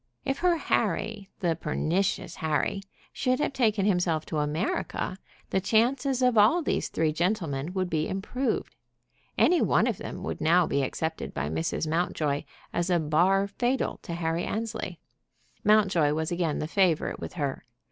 If her Harry, the pernicious Harry, should have taken himself to America, the chances of all these three gentlemen would be improved. Any one of them would now be accepted by Mrs. Mountjoy as a bar fatal to Harry Annesley. Mountjoy was again the favorite with her.